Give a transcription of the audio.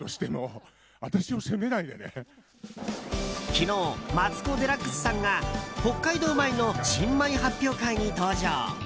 昨日マツコ・デラックスさんが北海道米の新米発表会に登場。